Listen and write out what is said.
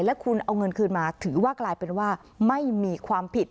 และคุณเอาเงินคืนมาถือว่ากลายเป็นว่าไม่มีความผิด